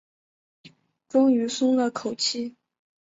终于松了口气